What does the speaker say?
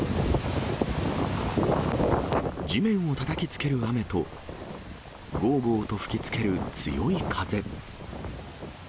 地面をたたきつける雨と、ごーごーと吹きつける強い風。